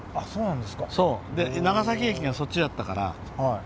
長崎駅がそっちだったから。